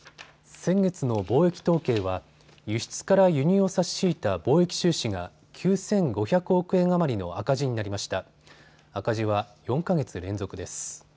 先月の貿易統計は輸出から輸入を差し引いた貿易収支が９５００億円余りの赤字になりました。